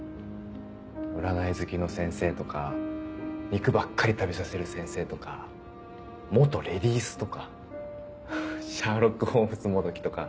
占い好きの先生とか肉ばっかり食べさせる先生とか元レディースとかシャーロック・ホームズもどきとか。